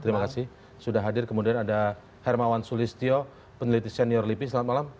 terima kasih sudah hadir kemudian ada hermawan sulistyo peneliti senior lipi selamat malam